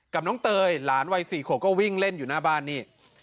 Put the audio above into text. น้องเตยหลานวัย๔ขวบก็วิ่งเล่นอยู่หน้าบ้านนี่